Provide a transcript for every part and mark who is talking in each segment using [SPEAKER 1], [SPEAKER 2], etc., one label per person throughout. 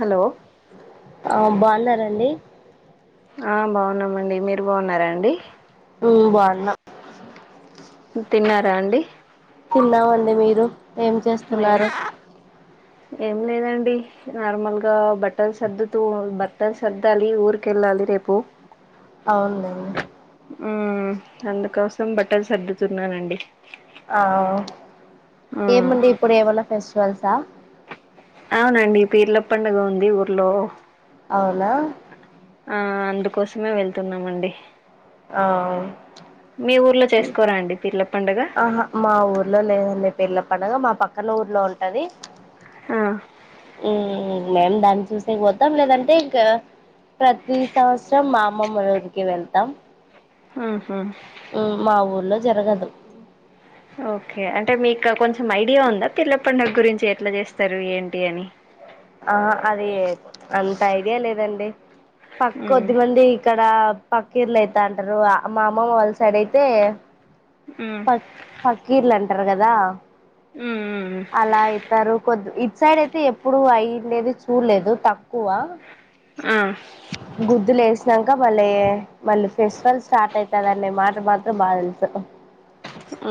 [SPEAKER 1] Hello
[SPEAKER 2] ఆ బాన్నరండి
[SPEAKER 1] ఆ బావున్నమండి మీరు బావున్నారా అండి
[SPEAKER 2] టూ బాన్నా
[SPEAKER 1] తిన్నారా అండి.
[SPEAKER 2] తిన్నామండి మీరు ఏం
[SPEAKER 1] మేయొ
[SPEAKER 2] చేస్తున్నారు
[SPEAKER 1] ఏం లేదండి నార్మల్ గా బట్టలు సర్దుతూ బట్టర్ సద్దాలి ఊరికి. కెళ్ళాలి రేపు.
[SPEAKER 2] అవున్ ల్నేండి
[SPEAKER 1] ఆ అందుకోసం బట్టలు సర్దుతున్నానండి.
[SPEAKER 2] ఆ
[SPEAKER 1] మ్మ్
[SPEAKER 2] ఏముంది ఇప్పుడు ఏమన్నా ఫెస్టివల్సా?
[SPEAKER 1] అవునండి పీర్ల పండుగ ఉంది ఊర్లో
[SPEAKER 2] అవునా.
[SPEAKER 1] ఆ అందుకోసమే వెళ్తున్నామండి
[SPEAKER 2] ఆ
[SPEAKER 1] మీ ఊర్లో చేస్కోరా అండి పిర్ల పండగ
[SPEAKER 2] అహా మా ఊర్లో లేదండి పీర్ల పండగ మా పక్కనూర్లో ఉంటది
[SPEAKER 1] హా
[SPEAKER 2] హుమ్ మేము దాన్ని చూసే పోద్దాం లేదంటే ఇంకా. ప్రతి సంవత్సరం మా అమ్మమ్మలో ఊరికి వెళ్తాం.
[SPEAKER 1] ఊహూ
[SPEAKER 2] ఉ మా ఊర్లో జరగదు
[SPEAKER 1] ఓకే అంటే మీక్క కొంచెం ఐడియా ఉందా పీర్ల పండగ గురించి ఎట్ల జేస్తరు ఏంటి అని
[SPEAKER 2] ఆహా అది అంత ఐడియా లేదండి పక్కొద్దిమంది ఇక్కడ పక్కీర్లైతాంటరూ ఆ మా అమ్మమ్మ వాళ్ళ్ సైడ్ అయితే పక్ పక్కీర్లంటరు గదా
[SPEAKER 1] ఉమ్ మ్.
[SPEAKER 2] లైతారు కొద్దు ఇట్ సైడ్ అయితే ఎప్పుడు అయిండేది చూల్లేదు తక్కువ
[SPEAKER 1] ఆ.
[SPEAKER 2] గుద్దులేసినాంక భలేయ్. మళ్ళు ఫెస్టివల్ స్టాటయితాదనే మాట మాత్రం బాగ దెల్సు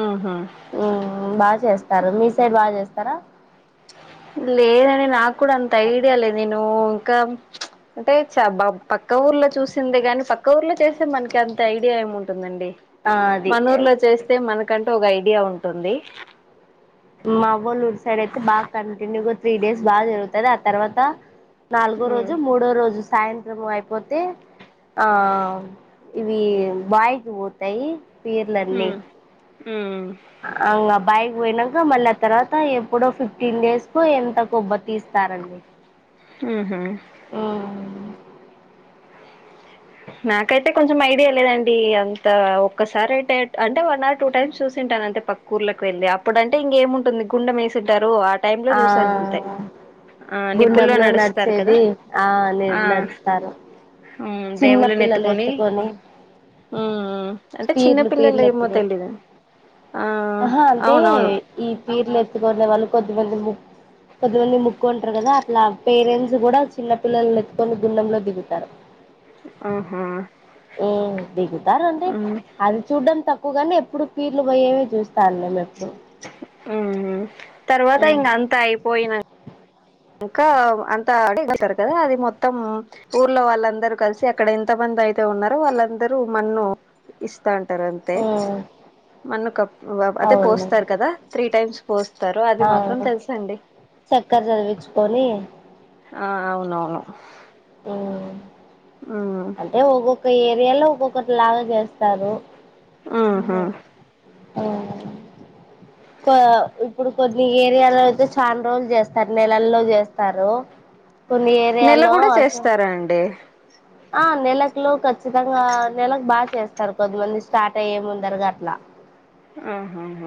[SPEAKER 1] ఆహా.
[SPEAKER 2] ఉమ్ బాగా చేస్తారు మీ సైడ్ బాగా చేస్తారా.
[SPEAKER 1] లేదండి నాకూడ అంత ఐడియ లేద్ నేను ఇంకా అంటే చ బ పక్క ఊర్లో చూసిందే గాని పక్క ఊర్లో చేస్తే మనకి అంత ఐడియా ఏముంటుందండి
[SPEAKER 2] ఆ అది
[SPEAKER 1] మనూర్ లో చేస్తే మనకంటూ ఒక ఐడియా ఉంటుంది
[SPEAKER 2] మా అవ్వొల్ ఊరి సైడైతే బాగ కంటిన్యూగా త్రీ డేస్ బాగా జరుగుతాది ఆ తర్వాత నాలుగో
[SPEAKER 1] ఉమ్
[SPEAKER 2] రోజు మూడో రోజు సాయంత్రం అయిపోతే ఆ ఇవి బాయికి పోతయి
[SPEAKER 1] హ్మ్ మ్
[SPEAKER 2] అంగ ఆ బాయికి వొయినంక మళ్ళీ ఆ తర్వాత ఎప్పుడో ఫిఫ్టీన్ డేస్ కొ ఎంతకొ అబ్బ తీస్తారండి
[SPEAKER 1] ఊహు
[SPEAKER 2] ఓహ్
[SPEAKER 1] నాకైతే కొంచెం ఐడియా లేదండి అంత ఒక్కసారైటెట్ అంటే వన్ అర్ టూ టైమ్స్ చూసింటాను అంతే పక్ కూర్లకు వెళ్ళి అప్పుడు అంటే ఇంగేముంటుంది గుండెం ఎసుంటారు ఆ టైమ్ లో చూసాను అంతే ఆ నిపుల్లో
[SPEAKER 2] గుండంలో
[SPEAKER 1] నడుస్తారు కదా
[SPEAKER 2] నడిచేది ఆ నే
[SPEAKER 1] ఆ
[SPEAKER 2] నడుస్తారు
[SPEAKER 1] హుమ్
[SPEAKER 2] చిన్న
[SPEAKER 1] దేవుళ్ళని
[SPEAKER 2] పిల్లలు
[SPEAKER 1] ఎత్తుకొని ఊ ఊ అంటే
[SPEAKER 2] పీర్లు
[SPEAKER 1] చిన్నపిల్లల్లో
[SPEAKER 2] పీర్లు
[SPEAKER 1] ఏమో
[SPEAKER 2] ఎత్తుకొని
[SPEAKER 1] తెలిదండి ఆ
[SPEAKER 2] ఆహా అంటే
[SPEAKER 1] అవునవును
[SPEAKER 2] ఈ పీర్లు ఎత్తుకునే వాళ్ళు కొద్దిమంది ము కొద్దిమంది మొక్కుంటరు కదా అట్లా పేరెంట్స్ గూడ చిన్న పిల్లల్ని ఎత్తుకొని గుండెంలో దిగుతారు
[SPEAKER 1] ఆహా
[SPEAKER 2] ఊ దిగుతారు అంటె
[SPEAKER 1] ఉమ్
[SPEAKER 2] అది చూడ్డం తక్కువ గాని ఎప్పుడు పీర్లు పోయేవి చూస్తా అండి మేం ఎప్పుడు
[SPEAKER 1] మ్ తర్వాత
[SPEAKER 2] మ్మ్
[SPEAKER 1] ఇంగ అంతా అయిపోయిన కా అంత అడిగితారు కదా అది మొత్తం ఊర్లో వాళ్ళందరూ కలిసి అక్కడ ఎంత మంది అయితే ఉన్నారో వాళ్ళందరూ మన్ను ఇస్తా అంటరు అంతే
[SPEAKER 2] మ్మ్
[SPEAKER 1] మన్ను కప్ అదే
[SPEAKER 2] అవునండి
[SPEAKER 1] పోస్తారు కదా త్రీ టైమ్స్ పోస్తారు అది మాత్రం తెలుసండి
[SPEAKER 2] చెక్కర చదివిచుకొనీ
[SPEAKER 1] ఆ అవునవును
[SPEAKER 2] ఊ
[SPEAKER 1] ఊ
[SPEAKER 2] ఏ ఒక్కొక్క ఏరియాలో ఒక్కొక్కటి లాగా జేస్తారు
[SPEAKER 1] ఆహా
[SPEAKER 2] కో ఇప్పుడు కొన్ని ఏరియాలో అయితే చాన్ రోజులు జేస్తారు నెలల్లో జేస్తారు
[SPEAKER 1] నెల గూడ చేస్తారా అండి
[SPEAKER 2] ఆ నెలక్లో ఖచ్చితంగా నెలకు బాగ్ చేస్తారు కొద్దిమంది స్టార్ట్ అయ్యే ముందర గట్లా
[SPEAKER 1] అహాహ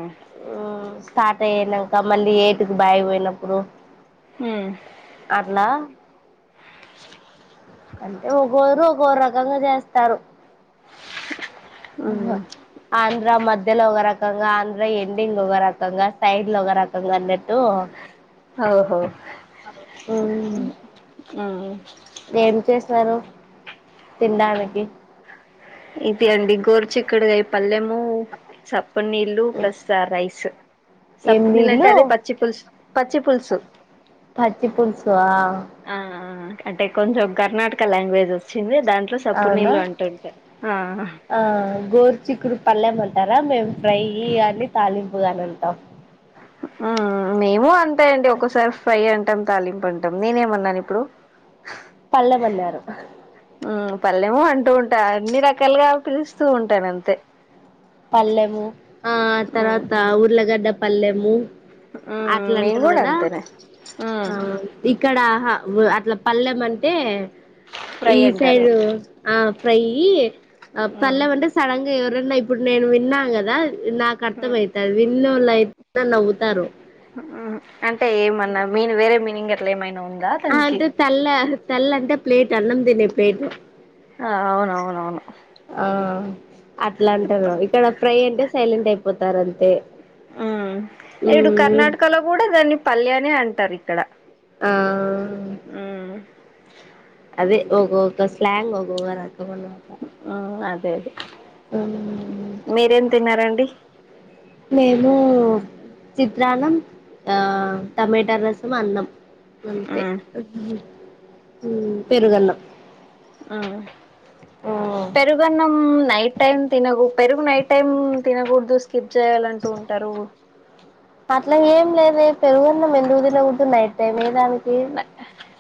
[SPEAKER 2] ఉ స్టార్ట్ అయ్యినంక మళ్ళీ ఏటుకి బాయి పోయినప్పుడు.
[SPEAKER 1] హు
[SPEAKER 2] అట్లా ఒకొరు ఒకో రకంగా జేస్తారు
[SPEAKER 1] ఉమ్
[SPEAKER 2] ఉహ ఆంధ్ర మధ్యలో ఒగ రకంగా ఆంధ్ర ఎండింగ్ ఒగ రకంగా సైడ్లో ఒగ రకంగా అన్నట్టు.
[SPEAKER 1] ఔహో ఉ ఉ
[SPEAKER 2] ఏం చేసినారు తిన్డానికి
[SPEAKER 1] ఇది అండి గోరుచిక్కడుగాయి పల్లెము సప్పనీ ఇళ్ళు ప్లస్ స్తా రైసు సప్పు నీళ్ళు అంటే అదే పచ్చి పులుసు పచ్చి పులుసు
[SPEAKER 2] పచ్చి పులుసా
[SPEAKER 1] ఆ ఆ అంటె కొంచెం కర్ణాటక లాంగ్వేజ్ వచ్చింది దాంట్లో సప్పు
[SPEAKER 2] అవునా
[SPEAKER 1] నీళ్ళు అంటుంటా ఆ హ
[SPEAKER 2] ఆ గోరుచిక్కుడు పల్లెం అంటారా మేము ఫ్రైయి గాని తాలింపు గాని అంటాం.
[SPEAKER 1] ఆ మేము అంతే అండి ఒకోసారి ఫ్రై అంటాం తాలింపు అంటాం నేనేమన్నాను ఇప్పుడు
[SPEAKER 2] పళ్లెం అన్నారు
[SPEAKER 1] ఉ పల్లెము అంటూ ఉంటారు అన్ని రకాలుగా పిలుస్తూ ఉంటాను అంతే.
[SPEAKER 2] పల్లెము ఆ
[SPEAKER 1] ఉమ్
[SPEAKER 2] తర్వాత ఉర్లగడ్డ పల్లెము
[SPEAKER 1] ఉమ్ మేము
[SPEAKER 2] అట్లంటరు
[SPEAKER 1] కూడా
[SPEAKER 2] గదా
[SPEAKER 1] అంతేనే ఉమ్
[SPEAKER 2] ఆ ఇక్కడ ఆహ అట్లా పల్లెం అంటే
[SPEAKER 1] ఫ్రై
[SPEAKER 2] ఈ
[SPEAKER 1] అంటారు
[SPEAKER 2] సైడు ఆ ఫ్రైయి ఆ
[SPEAKER 1] ఉమ్
[SPEAKER 2] పల్లెం అంటే సడన్గా ఎవరన్నా ఇప్ ఇప్పుడు నేను విన్నా గదా నాకు
[SPEAKER 1] ఉమ్
[SPEAKER 2] అర్థమయితాది విన్నోళ్లుఅయితే నవ్వుతారు.
[SPEAKER 1] ఉమ్ అంటే ఏమన్నా మీన్ వేరే మీనింగ్ అట్లా ఏమైనా ఉన్
[SPEAKER 2] ఆంటే తల్ల తల్ అంటే ప్లేట్ అన్నం తినే ప్లేటు
[SPEAKER 1] ఆ అవునవును అవును
[SPEAKER 2] ఆ అట్లాంటరు ఇక్కడ ఫ్రై అంటే సైలెంట్ అయిపోతారు అంతే.
[SPEAKER 1] ఉ ఇడు కర్ణాటకలో కూడ దాన్ని పల్లె అనే అంటారు ఇక్కడ.
[SPEAKER 2] ఆవ్ ఉమ్
[SPEAKER 1] ఉమ్
[SPEAKER 2] అదే ఒగోక్క ఒక స్లాంగ్ ఒగో రకంగా
[SPEAKER 1] ఉ అదే అదే మీరేం తిన్నారండి
[SPEAKER 2] మేము చిత్రాన్నం ఆ టమేటా రసము అన్నం అంతే
[SPEAKER 1] ఉమ్
[SPEAKER 2] ఉ పెరుగన్నం
[SPEAKER 1] ఉ పెరుగున్నం నైట్ టైం తినగు పెరుగు నైట్ టైం తినగూడదు స్కిప్ చేయాలంటు ఉంటారు.
[SPEAKER 2] అట్లా ఏం లేదే పెరుగు అన్నం ఎందుకు తినగూడదు నైట్ టైమే దానికి.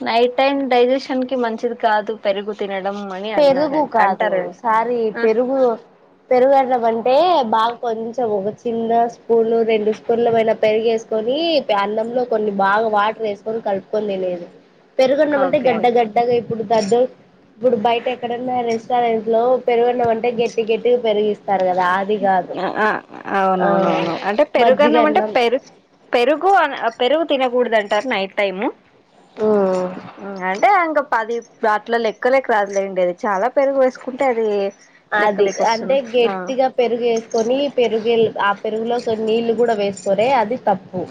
[SPEAKER 1] నైట్ టైం డైజెషన్కి మంచిది కాదు పెరుగు తినడం అని
[SPEAKER 2] పెరుగు
[SPEAKER 1] అన్నారండి
[SPEAKER 2] కాదు
[SPEAKER 1] అంటారండి
[SPEAKER 2] సారీ
[SPEAKER 1] ఉ
[SPEAKER 2] పెరుగు పెరుగన్నం అంటే బాగా కొంచెం ఒక చిన్న స్పూన్ రెండు స్పూన్లుమేన పెరుగు ఎస్ కొని ప్య అన్నంలో కొన్ని బాగా వాటర్ యేసుకొని కలుపుకొని తినేద్ పెరుగున్నం అంటే
[SPEAKER 1] ఓకే
[SPEAKER 2] గడ్డ గడ్డగా ఇప్పుడు దద్దు ఇప్పుడు బయ్ టెక్కడన్న రెస్టారెంట్ లో పెరుగున్న మం టే గెట్టి గెట్టిగ పెరుగిస్తారు గదా అది గాదు ఆ
[SPEAKER 1] పెరుగున్నం అంటే
[SPEAKER 2] మజ్జిగన్నం
[SPEAKER 1] పెరుగు పెరుగు అన్ అ పెరుగు తినగూడదు అంటారు నైట్ టైము అంటే ఇంక పది వాటిలో లెక్కలేక్ రాదులేండి అది చాలా పెరుగు వేసుకుంటే అది
[SPEAKER 2] అది
[SPEAKER 1] లెక్కలేకి
[SPEAKER 2] అంటే
[SPEAKER 1] వస్తుంది ఆ
[SPEAKER 2] గెట్టిగా పెరుగు ఎసుకొని పెరుగెల్ ఆ పెరుగులో కొన్ని నీళ్ళు కూడ వేసు కొరే అది తప్పు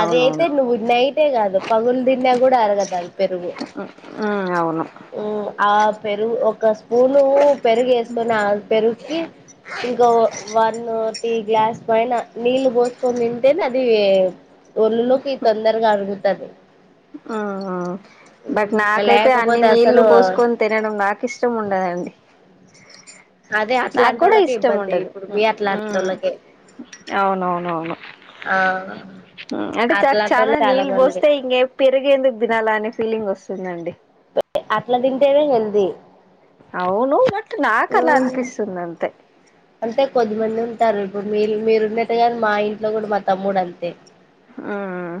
[SPEAKER 2] అది అయితే
[SPEAKER 1] అవునవును
[SPEAKER 2] నువ్వు నైటే గాదు పగులు తిన్నా గూడ అరగదు అది పెరుగు
[SPEAKER 1] అవును
[SPEAKER 2] ఆ పెరుగు ఒక స్పూనూ పెరుగు ఎసుకొని ఆ పెరుగుకి ఇంకా వన్ను టీ గ్లాస్ పైన నీళ్ళు పోసుకొని తింటేనే అదీ ఒళ్ళులోకి తొందరగా అరుగుతది
[SPEAKER 1] ఆహ ఆ బట్
[SPEAKER 2] ఉమ్,
[SPEAKER 1] నాకైతే అన్ని
[SPEAKER 2] లేకపోతే అసలు
[SPEAKER 1] నీళ్లు పోసుకొన్ తినడం నాకు ఇష్టం ఉండదండి
[SPEAKER 2] అదే అట్లాంటి
[SPEAKER 1] నాకూడ
[SPEAKER 2] వాళ్ళకే
[SPEAKER 1] ఇష్టం
[SPEAKER 2] ఇబ్బంది
[SPEAKER 1] ఉండదు
[SPEAKER 2] ఇప్పుడు
[SPEAKER 1] ఉ
[SPEAKER 2] మీ
[SPEAKER 1] ఊ
[SPEAKER 2] అట్లాంటి వాళ్ళకే
[SPEAKER 1] అవునవునవును
[SPEAKER 2] ఆ
[SPEAKER 1] అంటే చక్ చాలా
[SPEAKER 2] అట్లాంటోళ్ళు
[SPEAKER 1] నీళ్ళు
[SPEAKER 2] మంది
[SPEAKER 1] పోస్తే ఇంగే పెరుగేందుకు దినాలి అనే ఫీలింగ్ ఒస్తుందండి
[SPEAKER 2] గఎ అట్ల తింటేనే హెల్దీ
[SPEAKER 1] అవును బట్ నాకు అలా
[SPEAKER 2] ఉమ్,
[SPEAKER 1] అనిపిస్తుంది అంతే
[SPEAKER 2] అంటే కొద్దిమంది ఉంటారు ఇప్పుడు మీలు మీరున్నట్టుగానె మా ఇంట్లో గూడ మా తమ్ముడు అంతే
[SPEAKER 1] ఆ ఆ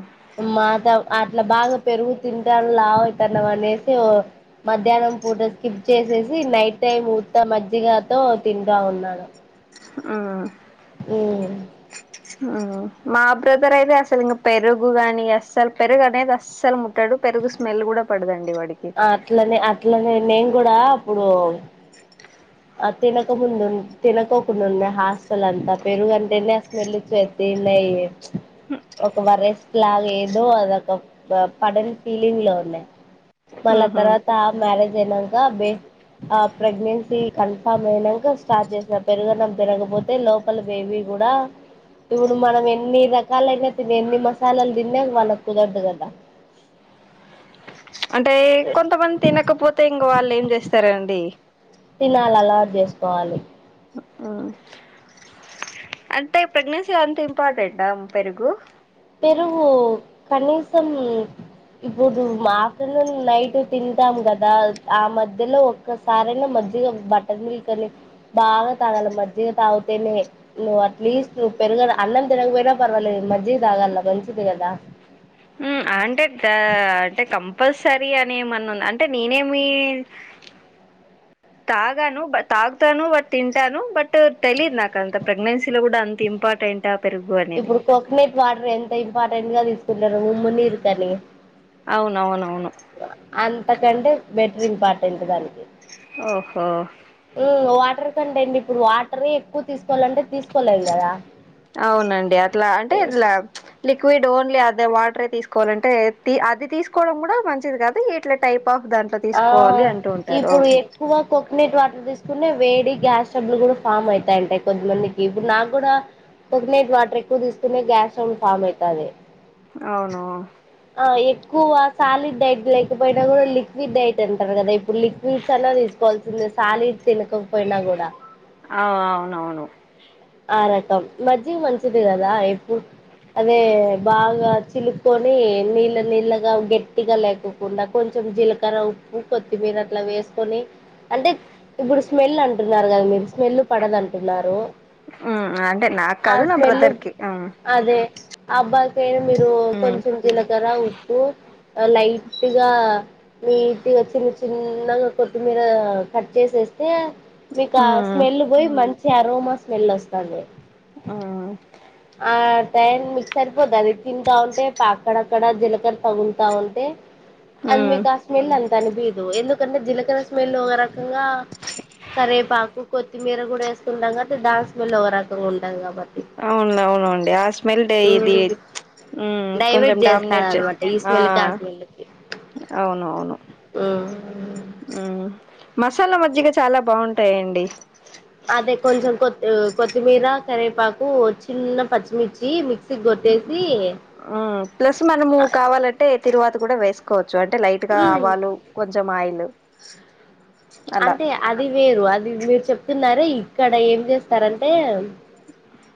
[SPEAKER 2] మాత అట్లా బాగా పెరుగు తింటాండు లావాయ్ తనం అనేసి ఓ మధ్యాహ్నం పూటస్కి చేసేసి నైట్ టైమ్ ఊత మజ్జిగతో తింట ఉన్నాడు
[SPEAKER 1] ఆ
[SPEAKER 2] ఊమ్
[SPEAKER 1] మా బ్రదర్ అయితే అసలు ఇంకా పెరుగుగాని అస్సలు పెరుగు అనేది అస అస్సలు ముట్టాడు పెరుగు స్మెల్ కూడా పడదండి వాడికి
[SPEAKER 2] అట్లనే అట్లనే నేను కూడా అప్పుడు ఆ తినకముందు తినకోకుండా ఉన్నా హాస్టల్ అంతా పెరుగుంటేనే అ స్మెల్ ఇచ్చేద్ వీళ్ళయ ఒక వరెస్ట్ లాగ ఏదో అదొక గ పడని ఫీలింగ్ లో ఉన్నాయి మళ్ళా
[SPEAKER 1] ఉహు
[SPEAKER 2] తర్వాత మ్యారేజ్ అయినాక బే ఆ ప్రెగ్నెన్సీ కన్ఫామ్ అయినాక స్టార్ట్ చేసిన పెరుగన్నం తినకపోతే లోపల బేబీ కూడా ఇప్పుడు మనం ఎన్ని రకాలయినా తిన్ ఎన్ని మసాలాలు తిన్నా అది వాళ్ళ కుదరదు కదా
[SPEAKER 1] అంటే కొంతమంది తినకపోతే ఇంక వాళ్ళు ఏం చేస్తారండి
[SPEAKER 2] తినాలి అలవాటు చేసుకోవాలి
[SPEAKER 1] అంటే ప్రెగ్నెన్సీ అంత ఇంపార్టెంటా పెరుగు
[SPEAKER 2] పెరుగు కనీసం ఇప్పుడు మా పిల్లలు నైట్ తింటాం కదా ఆ మధ్యలో ఒకసారేనా మర్జీగ బట్టర్ మిల్కని బాగా తాగల మజిగా తాగితేనే నువ ప్లీజ్ నువ్వు పెరుగదు అన్నం తినకపోయినా పర్వాలేదు మాజీగా తాగాల మంచిది కదా
[SPEAKER 1] ఉ అంటే క అంటే కం ప్పల్సరి అని ఏమన్నా ఉం అంటే నేనేమి తాగను బట్ తాగుతాను బట్ తింటాను బట్ తెలీదు నాకంత ప్రెగ్నెన్సీలో కూడా అంత ఇంపార్టెంట్ డ పెరుగు అనేది
[SPEAKER 2] కోకొనట్ వాటర్ ఎంత ఇంపార్టెంట్ గా తీసుకుంటారు ఉమ్మునీరు కనీ
[SPEAKER 1] అవునవునవును
[SPEAKER 2] అంతకంటే బెటర్ ఇంపార్టెంట్ దానికి
[SPEAKER 1] ఓహో
[SPEAKER 2] వాటర్ కంటే అండి ఇప్పుడు వాటర్ ఎక్కువ తీసుకోవాలంటే తీసుకోలేం కదా
[SPEAKER 1] అవునండి అట్లా అంటే ఇట్లా లిక్విడ్ ఓన్లీ అదే వాటరే తీసుకోవాలంటే తీ అది తీసుకోవడం కూడా మంచిది కాద ఇట్లా టైప్ ఆఫ్ దాంట్లో
[SPEAKER 2] ఆ
[SPEAKER 1] తీసుకోవాలి అంటూ ఉంటారు
[SPEAKER 2] ఇప్పుడు
[SPEAKER 1] హుమ్
[SPEAKER 2] ఎక్కువ కోకోనట్ వాటర్ తీసుకునే వేడి గ్యాస్స్టబ్లు కూడా ఫామ్ అవుతాయంటాయి కొంతమందికి ఇప్పుడు నాకు కూడా కోకొనట్ వాటర్ ఎక్కువ తీసుకునే గ్యాస్ ట్రబుల్ ఫామ్ అయితాది
[SPEAKER 1] అవును
[SPEAKER 2] ఆ ఎక్కువ సాలిడ్ డైట్ లేకపోయినా కూడా లిక్ క్విడ్ డైట్ అంటారు కదా ఇప్పుడు లిక్విడ్స్ అన్నా తీసుకోవాల్సింద సాలిడ్ తినకకపోయినా కూడా
[SPEAKER 1] ఆ అవునవును
[SPEAKER 2] ఆ రకం మజ్జిగ మంచిది కదా ఎప్పుడు అదే బాగా చిలుక్కొని నీళ్ళ నీళ్ళగా గట్టిగా లేకుం కుండా కొంచెం జీలకర్ర ఉప్పు కొత్తిమీర అట్లా వేసుకొని అంటే ఇప్పుడు స్మెల్ అంటున్నారు కదా మీరు స్మెల్ పడదు అంటున్నారు
[SPEAKER 1] మ్ అంటే నాకు కాదు నా బ్రదర్ కి
[SPEAKER 2] అదే ఆ అబ్బాయికైనా మీరు
[SPEAKER 1] హ్మ్.
[SPEAKER 2] కొంచెం జీలకర ఉప్పు లైట్ గా నీటిగ చిన్న చిన్నగా కొత్తిమీర కట్ చేసేస్ తే మీకు ఆ
[SPEAKER 1] హ్మ్.
[SPEAKER 2] స్మెల్ పోయి మంచి అరోమా స్మెల్ వస్తాంది
[SPEAKER 1] ఆ
[SPEAKER 2] ఆ టైన్ మిక్ సరిపోతాది తింటా ఉంటే అక్కడక్కడ జీలకర తగులుతా ఉంటే అది
[SPEAKER 1] ఉమ్
[SPEAKER 2] మీకాస్మెల్ అంత అనిపదు ఎందుకంటే జీలకర స్మెల్ ఒక రకంగా కరేపాకు కొత్తిమీర కూడా వేసుకుంటాం కాబట్టి దాని స్మెల్ ఒక రకంగా ఉంటాది కాబట్టి
[SPEAKER 1] అవును అవునండి ఆ స్మెల్టే ఇది
[SPEAKER 2] మ్మ్
[SPEAKER 1] కొంచెం
[SPEAKER 2] డైవర్ట్
[SPEAKER 1] డామినేట్ చే
[SPEAKER 2] చేస్తారనమాట ఈ
[SPEAKER 1] ఆ
[SPEAKER 2] స్మెల్కి
[SPEAKER 1] అవునువును
[SPEAKER 2] మ్
[SPEAKER 1] మ్ మసాలా మజ్జిగ చాలా బాగుంటాయండి
[SPEAKER 2] అదే కొంచెం కొ కొత్తిమీర కరివేపాకు చిన్న పచ్చిమిర్చి మిక్సి గొట్టేసి
[SPEAKER 1] ప్లస్ మనము కావాలంటే తిరువాత కూడా వేసుకో కోవచ్చు అంటే లైట్గా
[SPEAKER 2] మ్మ్
[SPEAKER 1] ఆవాలు కొంచం ఆయిల్ అలా
[SPEAKER 2] అంటే అది వేరు అది మీరు చెప్తున్నారే ఇక్కడ ఏం చేస్తారంటే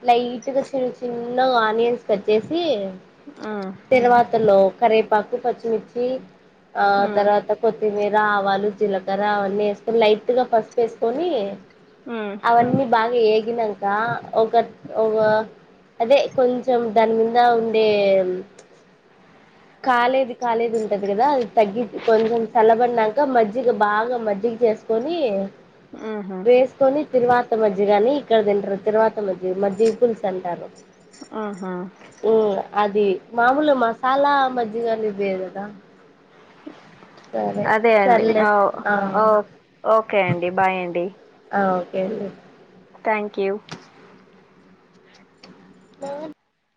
[SPEAKER 2] లైట్గా చిన్న చిన్న గ ఆనియన్స్ కట్ చేసి
[SPEAKER 1] ఉమ్
[SPEAKER 2] తిరమాతలో కరేపాకు పచ్చిమిర్చి ఆ
[SPEAKER 1] ఉమ్
[SPEAKER 2] తర్వాత కొత్తిమీర ఆవాలు జీలకర్ర అవన్నీ వేసుకొని లైట్ గా పసుపు వేసుకొని
[SPEAKER 1] మ్
[SPEAKER 2] అవన్నీ బాగా ఏగినంక ఒక ఒ ఆ అదే కొంచెం దాని మింద ఉండే కాలేది కాలేది ఉంటది కదా అది తగ్గి కొంచెం చల్లబడినాక మజ్జిగ బాగా మజ్జి టీ చేసుకొని
[SPEAKER 1] ఉహు
[SPEAKER 2] వేస్ కొని తిరగవాత మజ్జిగ అని ఇక్కడ తింటారు తిరగవాత మజ్జిగ, మజ్జిగ పులుసు అంటారు.
[SPEAKER 1] ఆహా
[SPEAKER 2] యా అది మామూలు మసాలా మజ్జిగన్నా ఇదే కదా సరే
[SPEAKER 1] అదే అండి
[SPEAKER 2] సర్లే
[SPEAKER 1] ఓ
[SPEAKER 2] ఆ
[SPEAKER 1] ఓ ఓకే అండి బై అండి
[SPEAKER 2] ఆ ఓకే అండి
[SPEAKER 1] థ్యాంక్ యూ
[SPEAKER 2] దెయ్యం